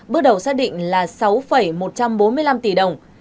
bước đầu xác định là sáu một trăm bốn mươi năm tỷ đồng